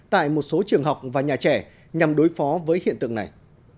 tại một số trường học và nhà trẻ nhằm đối phó với hiện tượng này